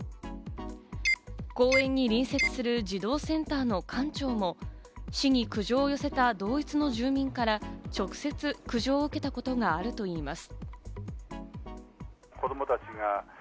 公園に隣接する児童センターの館長も市に苦情を寄せた同一の住民から、直接苦情を受けたことがあるといいます。